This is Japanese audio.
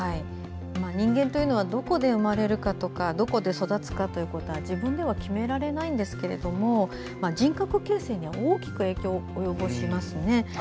人間というのはどこで生まれるかとかどこで育つかというのは自分では決められないんですが人格形成には大きく影響を及ぼしますね。